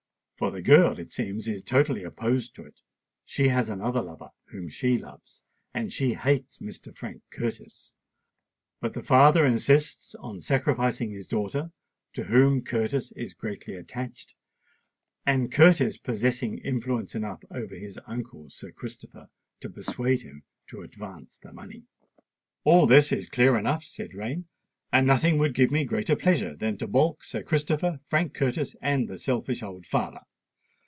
For the girl, it seems, is totally opposed to it: she has another lover whom she loves—and she hates Mr. Frank Curtis. But the father insists on sacrificing his daughter, to whom Curtis is greatly attached; and Curtis possesses influence enough over his uncle Sir Christopher to persuade him to advance the money." "All this is clear enough," said Rain; "and nothing would give me greater pleasure than to baulk Sir Christopher, Frank Curtis, and the selfish old father.